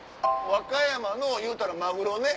和歌山のいうたらマグロね